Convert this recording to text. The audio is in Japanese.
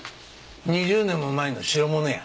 ２０年も前の代物や。